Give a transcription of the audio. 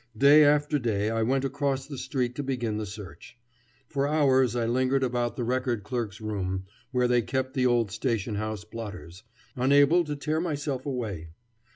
Day after day I went across the street to begin the search. For hours I lingered about the record clerk's room where they kept the old station house blotters, unable to tear myself away.